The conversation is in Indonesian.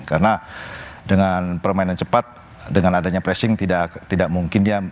karena dengan permainan cepat dengan adanya pressing tidak mungkin diberikan